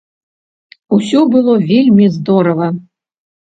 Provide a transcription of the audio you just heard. Усё было вельмі здорава.